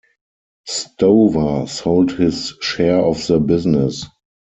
Stover sold his share of the business.